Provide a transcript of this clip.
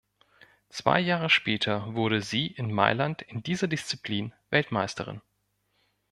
Zwei Jahre später wurde sie in Mailand in dieser Disziplin Weltmeisterin.